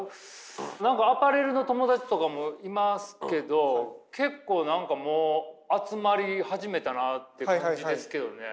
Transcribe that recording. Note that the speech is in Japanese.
何かアパレルの友達とかもいますけど結構何かもう集まり始めたなっていう感じですけどね。